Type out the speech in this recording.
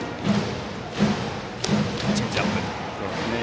チェンジアップ。